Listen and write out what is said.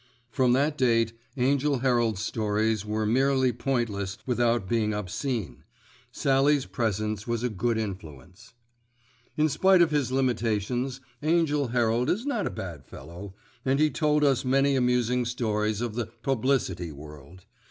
From that date Angell Herald's stories were merely pointless without being obscene. Sallie's presence was a good influence. In spite of his limitations, Angell Herald is not a bad fellow, and he told us many amusing stories of the "publicity" world.